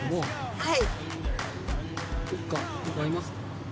はい。